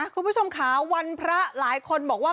คุณผู้ชมค่ะวันพระหลายคนบอกว่า